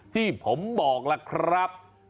ที่ผมบอกล่ะครับ